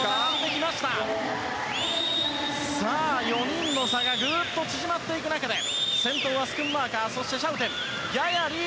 ４人の差がぐっと縮まっていく中で先頭はスクンマーカーそしてシャウテン。